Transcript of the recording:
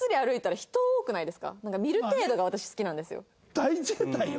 大渋滞よ。